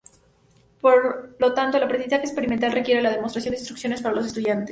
Por lo tanto, el aprendizaje experimental requiere la demostración de instrucciones para los estudiantes.